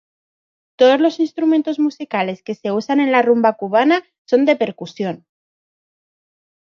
Todos los instrumentos musicales que se usan en la rumba cubana son de percusión.